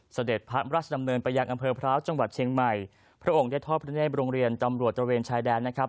เสด็จพระราชดำเนินไปยังอำเภอพร้าวจังหวัดเชียงใหม่พระองค์ได้ทอดพระเนธโรงเรียนตำรวจตระเวนชายแดนนะครับ